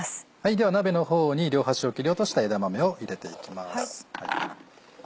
では鍋の方に両端を切り落とした枝豆を入れていきます。